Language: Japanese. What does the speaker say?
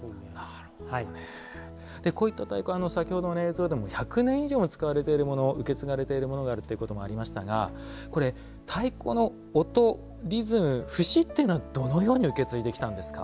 こういった太鼓先ほどの映像でも１００年以上使われているもの受け継がれているということがありましたがこれ、太鼓の音リズム、節というのはどのように受け継いできたんですか。